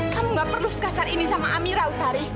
kamu gak perlu sekasar ini sama amira utari